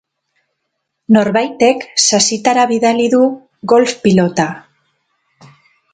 Norbaitek sasitara bidali du golf-pilota.